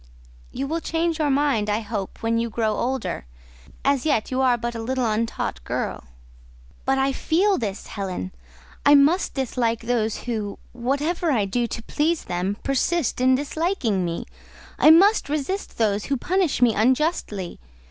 "You will change your mind, I hope, when you grow older: as yet you are but a little untaught girl." "But I feel this, Helen; I must dislike those who, whatever I do to please them, persist in disliking me; I must resist those who punish me unjustly.